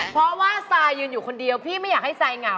เพราะว่าซายยืนอยู่คนเดียวพี่ไม่อยากให้ซายเหงา